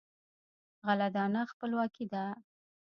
غله دانه خپلواکي ده.